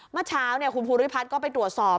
เมื่อเช้าคุณภูริพัฒน์ก็ไปตรวจสอบ